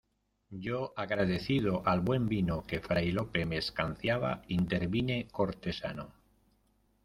yo, agradecido al buen vino que Fray Lope me escanciaba , intervine cortesano: